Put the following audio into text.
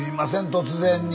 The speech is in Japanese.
突然に。